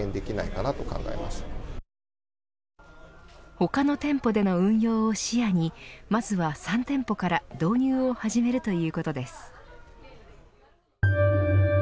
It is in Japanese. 他の店舗での運用を視野にまずは３店舗から導入を始めるということです。